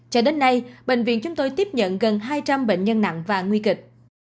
cho đến nay bệnh viện chúng tôi tiếp nhận gần hai trăm linh bệnh nhân nặng và nguy kịch